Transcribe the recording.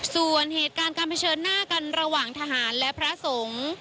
ส่วนเหตุการณ์การเผชิญหน้ากันระหว่างทหารและพระสงฆ์